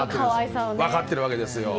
分かっているわけですよ。